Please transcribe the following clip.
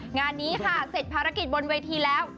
งานนี้ค่ะเสร็จภารกิจบนเวทีแล้ว